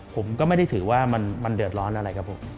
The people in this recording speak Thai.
ผมก็ไม่ได้ถือว่ามันเดือดร้อนอะไรกับผม